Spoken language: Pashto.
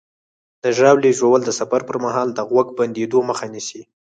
د ژاولې ژوول د سفر پر مهال د غوږ بندېدو مخه نیسي.